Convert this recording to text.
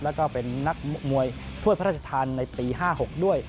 แล้วก็เป็นนักมวยถ้วยพระราชทานในปี๕๖ด้วย